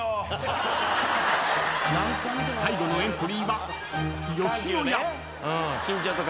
［最後のエントリーは］